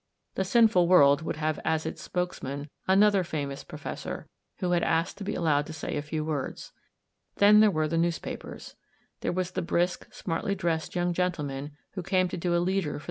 The sinful world would have as its spokesman another famous professor, who had asked to be allowed to say a few words. Then there were the newspapers. There was the brisk, smartly dressed young gentle man who came to do a leader for a daily 4 THE STORY OF A MODERN WOMAN.